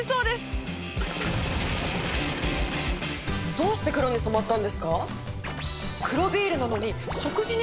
どうして黒に染まったんですか？